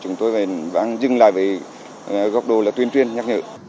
chúng tôi vẫn dừng lại với góc đô là tuyên tuyên nhắc nhở